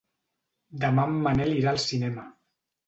Demà en Manel irà al cinema.